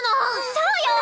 そうよ！